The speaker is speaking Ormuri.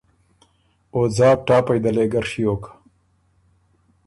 او ځاک ټاپئ دلې ګۀ ڒیوک۔